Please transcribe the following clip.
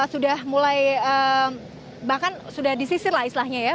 sudah mulai bahkan sudah disisir lah istilahnya ya